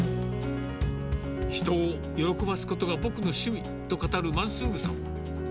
人を喜ばすことが僕の趣味と語るマンスールさん。